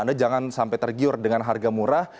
anda jangan sampai tergiur dengan harga murah